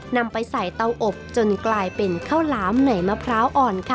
นำไปใส่เตาอบจนกลายเป็นข้าวหลามในมะพร้าวอ่อนค่ะ